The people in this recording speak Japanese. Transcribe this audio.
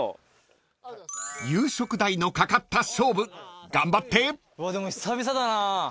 ［夕食代のかかった勝負頑張って］でも久々だな。